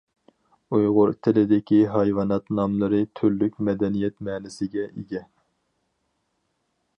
ئۇيغۇر تىلىدىكى ھايۋانات ناملىرى تۈرلۈك مەدەنىيەت مەنىسىگە ئىگە.